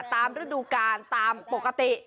ฤดูกาลตามปกติ